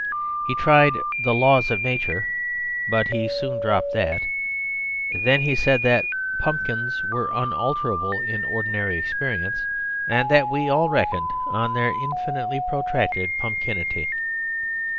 He tried the laws of nature, but he soon dropped that. Then he said that pumpkins were unalterable in ordinary experience, and that we all reckoned on their infinitely protracted pumpkinity.